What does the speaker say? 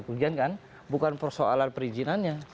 kerugian kan bukan persoalan perizinannya